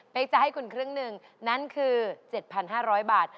เป็นจะให้คุณครึ่งหนึ่งนั่นคือ๗๕๐๐บาท